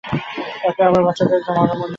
তাকে আবার বাঁচাবে, তারপর মড়ার মুণ্ড নিয়ে আসবে।